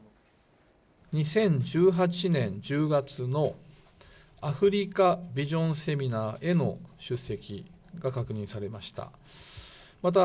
２０１８年１０月の、アフリカビジョンセミナーへの出席が確認されました。